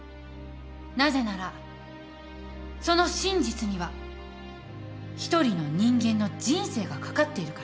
なぜならその真実には一人の人間の人生がかかっているから。